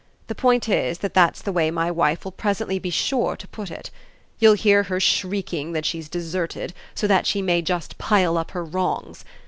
The point is that that's the way my wife will presently be sure to put it. You'll hear her shrieking that she's deserted, so that she may just pile up her wrongs.